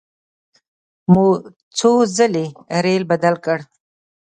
مو څو ځلې ریل بدل کړ.